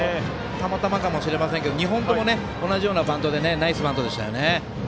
たまたまかもしれませんが２本とも同じようなバントでナイスバントでしたよね。